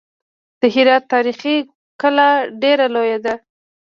د هرات تاریخي کلا ډېره لویه ده.